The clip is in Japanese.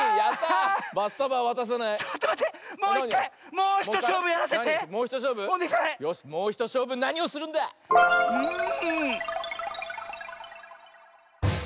もうひとしょうぶなにをするんだ⁉んん。